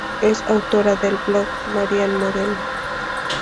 Es autora del blog 'Marian Moreno.